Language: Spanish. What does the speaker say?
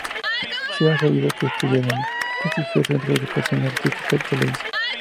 Se ha sabido que estudia en el prestigioso Centro de Educación Artística de Televisa.